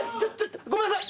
ごめんなさい！